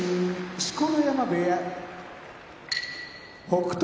錣山部屋北勝